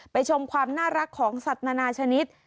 ชมความน่ารักของสัตว์นานาชนิด